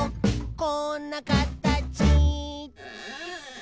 「こんなかたち」